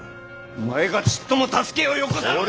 お前がちっとも助けをよこさんから！